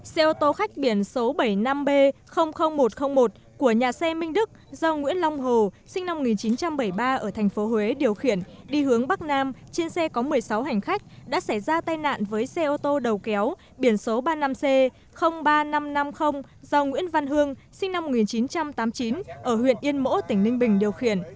xe ô tô khách biển số bảy mươi năm b một trăm linh một của nhà xe minh đức do nguyễn long hồ sinh năm một nghìn chín trăm bảy mươi ba ở thành phố huế điều khiển đi hướng bắc nam trên xe có một mươi sáu hành khách đã xảy ra tai nạn với xe ô tô đầu kéo biển số ba mươi năm c ba nghìn năm trăm năm mươi do nguyễn văn hương sinh năm một nghìn chín trăm tám mươi chín ở huyện yên mỗ tỉnh ninh bình điều khiển